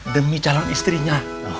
demi calon istrinya